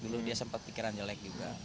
belum dia sempet pikiran jelek juga